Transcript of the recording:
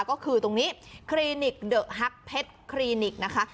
ก็คือตรงนี้คลินิกเดอะฮักเพชรคลีนิกนะคะ